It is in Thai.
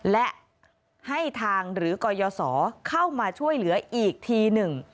และให้ทางหรือกยศเข้ามาช่วยเหลืออีกทีหนึ่ง